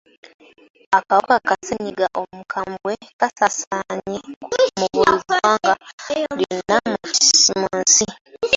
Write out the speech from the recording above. Akawuka ka ssennyiga omukambwe kasaasaanye mu buli ggwanga lyonna mu nsi.